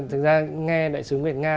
thực ra nghe đại sứ việt nga